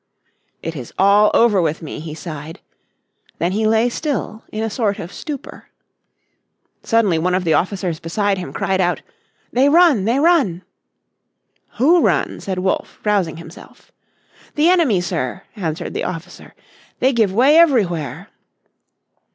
"It is all over with me," he sighed. Then he lay still in a sort of stupor. Suddenly one of the officers beside him cried out, "They run! They run!" "Who run?" said Wolfe, rousing himself. "The enemy, sir," answered the officer, "they give way everywhere."